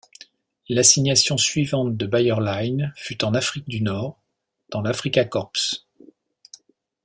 L'assignation suivante de Bayerlein fut en Afrique du Nord, dans l'Afrika Korps.